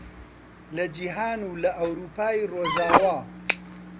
لە جیهان و لە ئەورووپای ڕۆژاوا